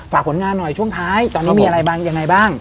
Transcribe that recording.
ผลงานหน่อยช่วงท้ายตอนนี้มีอะไรบ้างยังไงบ้าง